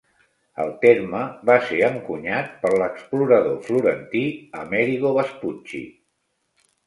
El terme va ser encunyat per l'explorador florentí Amerigo Vespucci.